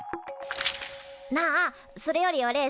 なあそれよりおれ